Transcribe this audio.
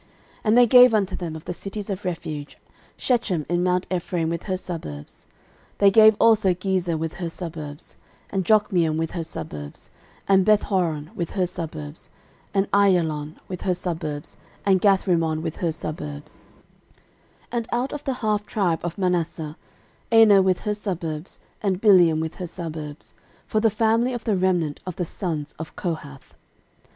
13:006:067 And they gave unto them, of the cities of refuge, Shechem in mount Ephraim with her suburbs; they gave also Gezer with her suburbs, 13:006:068 And Jokmeam with her suburbs, and Bethhoron with her suburbs, 13:006:069 And Aijalon with her suburbs, and Gathrimmon with her suburbs: 13:006:070 And out of the half tribe of Manasseh; Aner with her suburbs, and Bileam with her suburbs, for the family of the remnant of the sons of Kohath.